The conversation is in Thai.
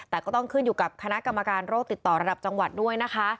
แต่ก็ต้องขึ้นอยู่กับคณะกรรมการโรคติดต่อระดับจังหวัดด้วยนะคะ